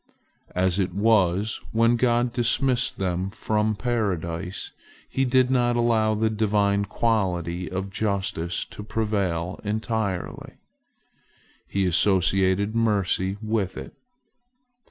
As it was, when God dismissed them from Paradise, He did not allow the Divine quality of justice to prevail entirely. He associated mercy with it.